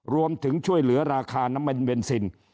รวมถึงช่วยเหลือราคาน้ำมันเบนซิน